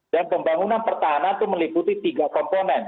dan pembangunan pertahanan itu meliputi tiga komponen